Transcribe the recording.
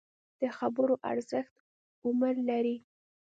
د خبرو ارزښت عمر لري